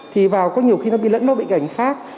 thì vào có nhiều khi nó bị lẫn vào bệnh ảnh khác